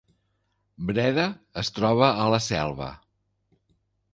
Breda es troba a la Selva